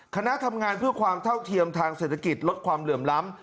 คณะทำงานเพื่อความเท่าเทียมทางเศรษฐกิจลดความเหลื่อมล้ำ